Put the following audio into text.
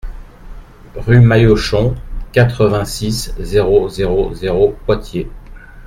Rue Maillochon, quatre-vingt-six, zéro zéro zéro Poitiers